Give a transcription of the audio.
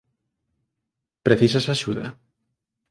Precisas axuda?